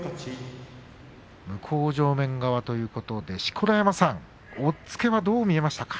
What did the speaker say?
向正面側ということで錣山さん押っつけは、どう見えましたか。